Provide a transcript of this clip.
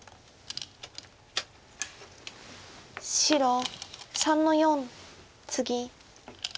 白３の四ツギ。